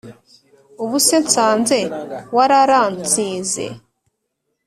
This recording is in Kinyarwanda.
Ubuse nsanze wararansize